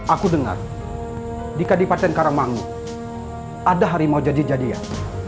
aku dengar di kadipaten karamangu ada hari mau jadi jadian